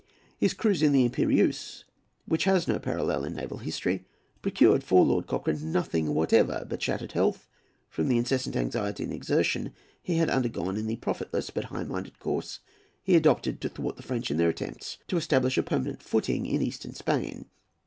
His cruise in the Impérieuse, which has no parallel in naval history, procured for Lord Cochrane nothing whatever but shattered health from the incessant anxiety and exertion he had undergone in the profitless but high minded course he adopted to thwart the French in their attempts to establish a permanent footing in Eastern Spain.